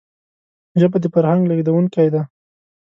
ژبه د فرهنګ لېږدونکی ده